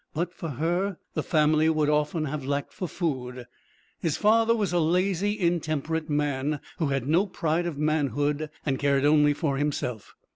But for her the family would often have lacked for food. His father was a lazy, intemperate man, who had no pride of manhood, and cared only for himself.